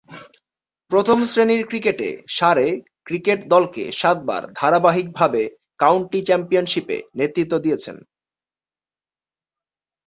প্রথম-শ্রেণীর ক্রিকেটে সারে ক্রিকেট দলকে সাতবার ধারাবাহিকভাবে কাউন্টি চ্যাম্পিয়নশীপে নেতৃত্ব দিয়েছেন।